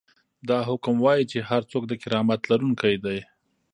دا حکم وايي چې هر څوک د کرامت لرونکی دی.